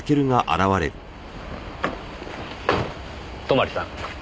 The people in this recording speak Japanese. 泊さん。